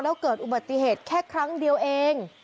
แล้วเกิดอุบัติเหตุแค่ครั้งเดียวเอง